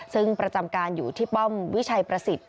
ซึ่งประจำการอยู่ที่ป้อมวิชัยประสิทธิ